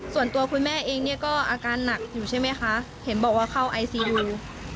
ส่วนตัวคุณแม่เองเนี่ยก็อาการหนักอยู่ใช่ไหมคะเห็นบอกว่าเข้าไอซียู